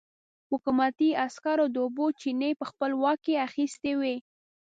حکومتي عسکرو د اوبو چينې په خپل واک کې اخيستې وې.